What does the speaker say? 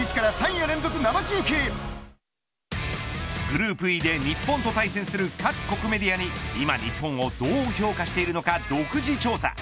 グループＥで日本と対戦する各国メディアに今日本をどう評価しているのか独自調査。